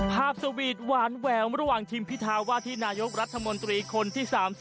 สวีทหวานแหววระหว่างทีมพิธาว่าที่นายกรัฐมนตรีคนที่๓๐